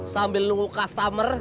sambil nunggu customer